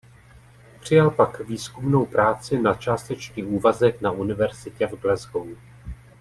Přijal pak výzkumnou práci na částečný úvazek na univerzitě v Glasgow.